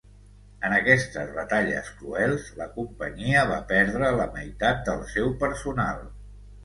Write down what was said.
En aquestes batalles cruels la companyia va perdre la meitat del seu personal.